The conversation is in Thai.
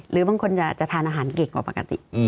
หรือบางคนจะทานอาหารเก่งกว่าปกติ